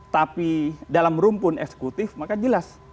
tapi dalam rumpun eksekutif maka jelas